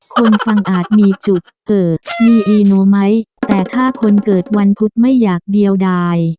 คนฟังอาจมีจุดเอ่อมีอีโนไหมแต่ถ้าคนเกิดวันพุธไม่อยากเดียวได้